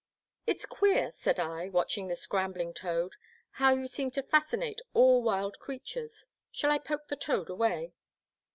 It 's queer, said I, watching the scrambling toad, "how you seem to fascinate all wild crea tures. Shall I poke the toad away